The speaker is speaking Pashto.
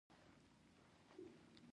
دا شنه ده